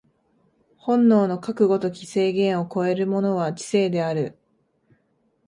本能のかくの如き制限を超えるものは知性である。